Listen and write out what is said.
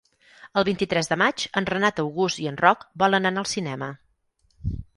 El vint-i-tres de maig en Renat August i en Roc volen anar al cinema.